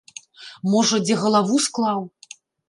Можа, дзе галаву склаў!